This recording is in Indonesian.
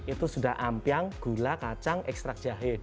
itu sudah ampiang gula kacang ekstrak jahe